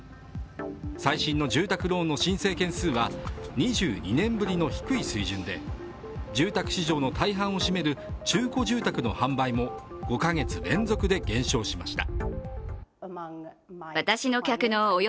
最新の住宅ローンの申請件数は２２年ぶりの低い水準で住宅市場の大半を占める中古住宅の販売も５カ月連続で減少しました。